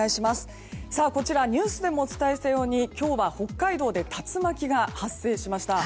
こちら、ニュースでもお伝えしたように今日は北海道で竜巻が発生しました。